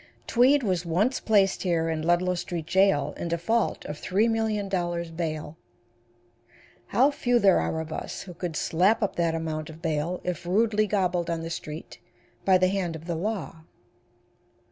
Tweed was once placed here in Ludlow Street Jail in default of $3,000,000 bail. How few there are of us who could slap up that amount of bail if rudely gobbled on the street by the hand of the law.